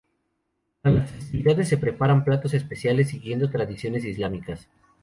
Para las festividades se preparan platos especiales, siguiendo tradiciones islámicas.